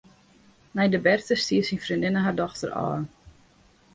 Nei de berte stie syn freondinne har dochter ôf.